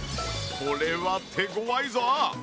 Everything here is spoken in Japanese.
これは手ごわいぞ！